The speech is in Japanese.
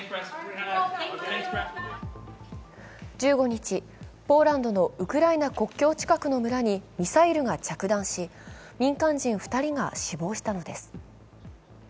１５日、ポーランドのウクライナ国境近くの村にミサイルが着弾し、民間人２人が死亡したのです。